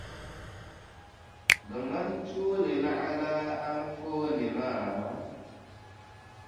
Di ŋmani tuuli naɣilaa anfooni maa?